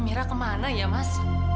amirah kemana ya mas